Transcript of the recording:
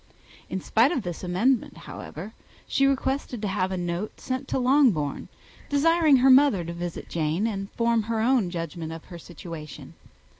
In spite of this amendment, however, she requested to have a note sent to Longbourn, desiring her mother to visit Jane, and form her own judgment of her situation.